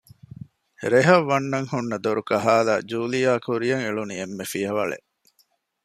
ރެހަށް ވަންނަން ހުންނަ ދޮރުކަހާލައި ޖޫލީއަށް ކުރިއަށް އެޅުނީ އެންމެ ފިޔަވަޅެއް